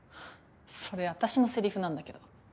それ私のせりふなんだけど。